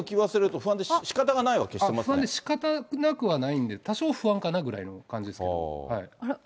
不安でしかたなくはないんで、多少不安かなぐらいの感じですね。